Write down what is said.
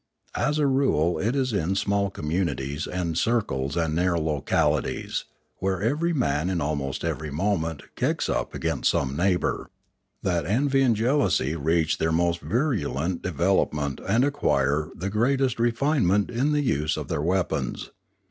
As a rule it is in small communities and circles and narrow localities, where every man in almost every movement kicks up against some neighbour, that envy and jealousy reach their most virulent development and acquire the greatest re finement in the use of their weapons.